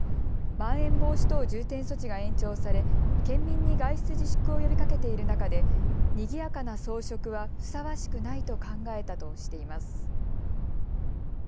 まん延防止等重点措置が延長され県民に外出自粛を呼びかけている中でにぎやかな装飾はふさわしくないと考えたとしています。